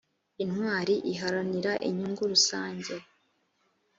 intwari iharanira inyungu rusange.